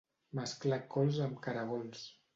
Mesclar cols amb caragols.